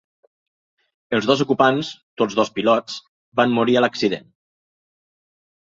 Els dos ocupants, tots dos pilots, van morir a l'accident.